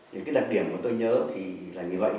đến cái đặc điểm mà tôi nhớ thì là như vậy